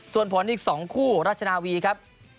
ส่วนผลอีก๒คู่รัชนาวีครับ